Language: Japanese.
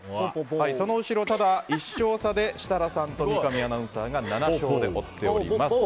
その後ろ、１勝差で設楽さんと三上アナウンサーが７勝で追っています。